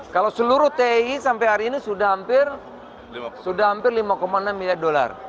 kalau seluruh ti sampai hari ini sudah hampir lima enam miliar dolar